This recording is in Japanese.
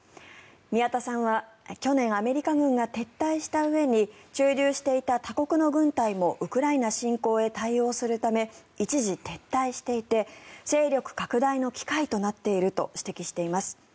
宮田さんは去年アメリカ軍が撤退したうえに駐留していた他国の軍隊もウクライナ侵攻へ対応するため一時撤退していて勢力拡大の機会となっていると指摘しています。